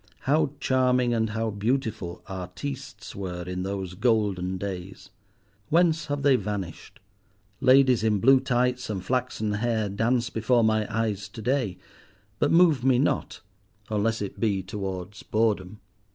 how charming and how beautiful "artistes" were in those golden days! Whence have they vanished? Ladies in blue tights and flaxen hair dance before my eyes to day, but move me not, unless it be towards boredom.